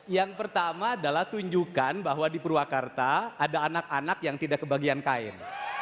yang pertama adalah tunjukkan bahwa di purwakarta ada anak anak yang tidak kebagian kain